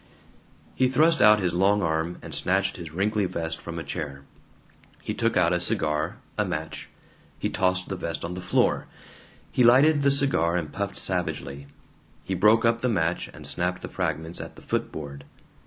He thrust out his long arm and snatched his wrinkly vest from a chair. He took out a cigar, a match. He tossed the vest on the floor. He lighted the cigar and puffed savagely. He broke up the match and snapped the fragments at the foot board.